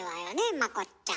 まこっちゃん。